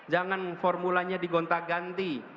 jangan formulanya digonta ganti